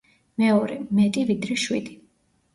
მეორე — მეტი, ვიდრე შვიდი.